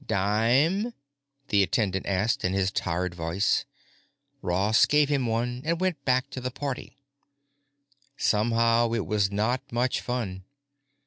"Dime?" the attendant asked in his tired voice. Ross gave him one and went back to the party. Somehow it was not much fun.